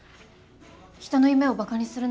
人の夢をバカにするなんて。